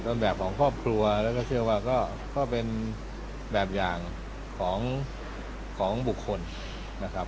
แบบของครอบครัวแล้วก็เชื่อว่าก็เป็นแบบอย่างของบุคคลนะครับ